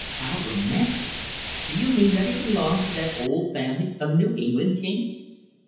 "How romantic! Do you mean that he belongs to that old family of New England Kings?"